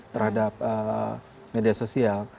terhadap media sosial